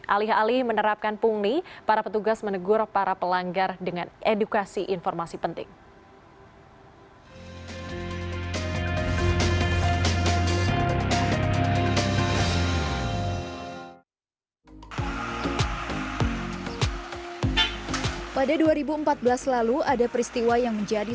alih alih menerapkan pungli para petugas menegur para pelanggar dengan edukasi informasi penting